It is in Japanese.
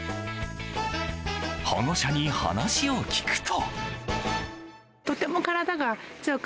保護者に話を聞くと。